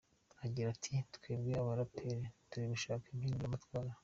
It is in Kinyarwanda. Agira ati“Twebwe aba Raperi turi dushaka impinduramatwara.